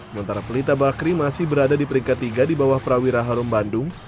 sementara pelita bakri masih berada di peringkat tiga di bawah prawira harum bandung